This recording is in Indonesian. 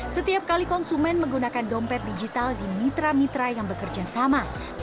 setiap kali konsumen menggunakan dompet digital di mitra mitra yang bekerja sama